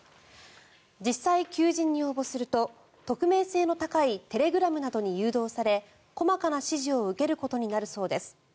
実際、求人に応募すると匿名性の高いテレグラムなどに誘導され細かな指示を受けることになるそうです。